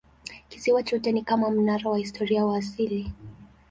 Kisiwa chote ni kama mnara wa kihistoria wa asili.